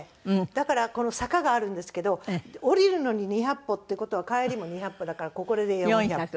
だから坂があるんですけど下りるのに２００歩っていう事は帰りも２００歩だからこれで４００歩。